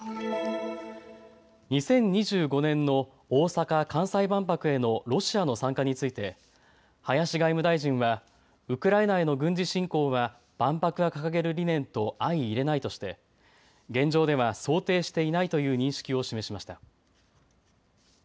２０２５年の大阪・関西万博へのロシアの参加について林外務大臣はウクライナへの軍事侵攻は万博が掲げる理念と相いれないとして現状では想定していないという認識を示しました。